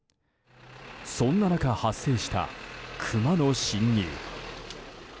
そんな中、発生したクマの侵入。